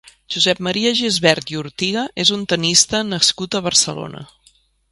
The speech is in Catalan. Josep Maria Gisbert i Ortiga és un tennista nascut a Barcelona.